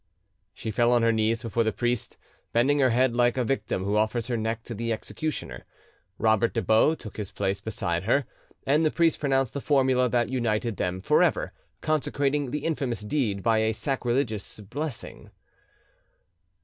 She fell on her knees before the priest, bending her head like a victim who offers her neck to the executioner. Robert des Baux took his place beside her, and the priest pronounced the formula that united them for ever, consecrating the infamous deed by a sacrilegious blessing.